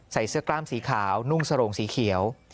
เสื้อกล้ามสีขาวนุ่งสโรงสีเขียว